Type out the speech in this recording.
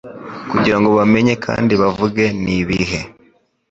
kugirango bamenye kandi bavuge n'ibihe.